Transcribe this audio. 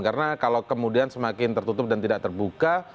karena kalau kemudian semakin tertutup dan tidak terbuka